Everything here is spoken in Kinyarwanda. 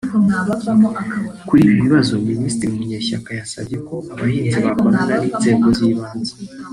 Kuri ibi bibazo Minisitiri Munyeshyaka yasabye abahinzi gukorana n’inzego z’ibanze